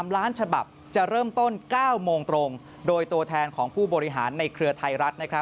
ล้านฉบับจะเริ่มต้น๙โมงตรงโดยตัวแทนของผู้บริหารในเครือไทยรัฐ